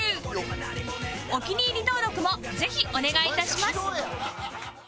お気に入り登録もぜひお願いいたします